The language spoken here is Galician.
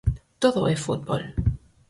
Todo é fútbol.